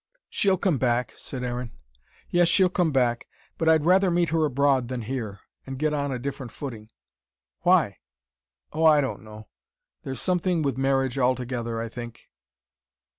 "She'll come back," said Aaron. "Yes, she'll come back. But I'd rather meet her abroad than here and get on a different footing." "Why?" "Oh, I don't know. There's something with marriage altogether, I think.